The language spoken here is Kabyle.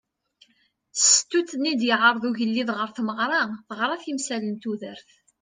Stut-nni i d-yeɛreḍ ugelliḍ ɣer tmeɣra teɣra timsal n tudert.